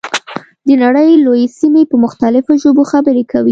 د نړۍ لویې سیمې په مختلفو ژبو خبرې کوي.